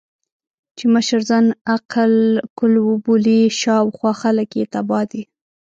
چې مشر ځان عقل کُل وبولي، شا او خوا خلګ يې تباه دي.